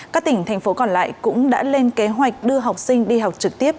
các tỉnh thành phố còn lại cũng đã lên kế hoạch đưa học sinh đi học trực tiếp